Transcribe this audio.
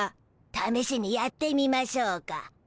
ためしにやってみましょうか。